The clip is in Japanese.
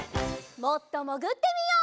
もっともぐってみよう。